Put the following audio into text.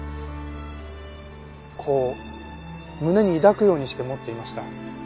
こう胸に抱くようにして持っていました。